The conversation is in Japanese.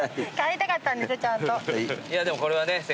いやでもこれはね